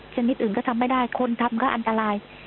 ชนิดอื่นก็ทำไม่ได้คนทำก็อันตราย